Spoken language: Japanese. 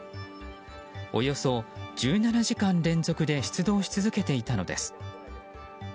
およそ１７時間連続で出動し続けていたのです。